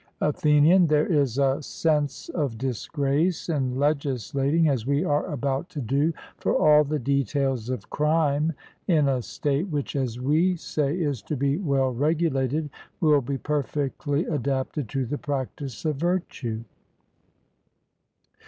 ATHENIAN: There is a sense of disgrace in legislating, as we are about to do, for all the details of crime in a state which, as we say, is to be well regulated and will be perfectly adapted to the practice of virtue.